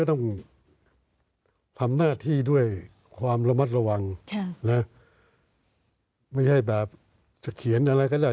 ต้องทำหน้าที่ด้วยความระมัดระวังไม่ใช่แบบจะเขียนอะไรก็ได้